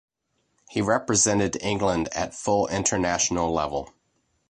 He represented England at full international level.